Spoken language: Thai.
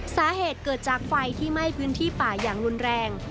สาเหตุเกิดจากไฟที่ไหม้พื้นที่ป่าอย่างรุนแรง